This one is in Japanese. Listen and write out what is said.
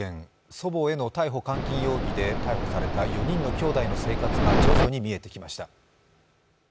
祖母への逮捕・監禁容疑で逮捕された４人のきょうだいの生活が徐々に見えてきました。